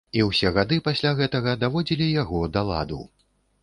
І ўсе гады пасля гэтага даводзілі яго да ладу.